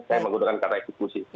saya menggunakan kata eksekusi